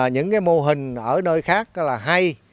những cái mô hình ở nơi khác là hay